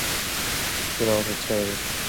She wore the tallit.